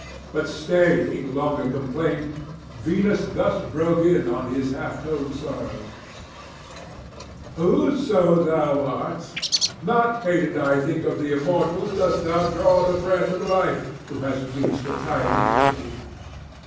But staying longer complaint, Venus thus broke in on his half told sorrows: 'Whoso thou art, not hated I think of the immortals [388 420]dost thou draw the breath of life, who hast reached the Tyrian city.